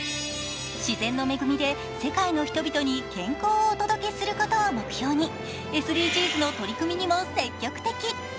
自然の恵みで世界の人々に健康をお届けすることを目標にＳＤＧｓの取組にも積極的。